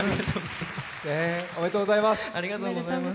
おめでとうございます。